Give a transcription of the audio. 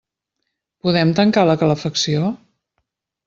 Podem tancar la calefacció?